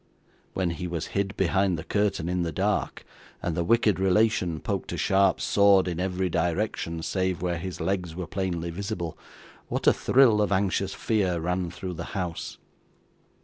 When he was hid behind the curtain in the dark, and the wicked relation poked a sharp sword in every direction, save where his legs were plainly visible, what a thrill of anxious fear ran through the house!